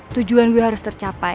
tujuan gue harus tercapai